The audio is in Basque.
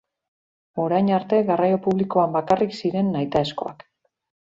Orain arte garraio publikoan bakarrik ziren nahitaezkoak.